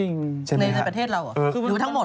ในประเทศสิรภ์ะเราอยู่ทั้งหมด